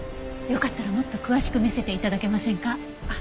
よかったらもっと詳しく見せて頂けませんか？